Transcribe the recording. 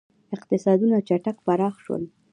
• اقتصادونه چټک پراخ شول.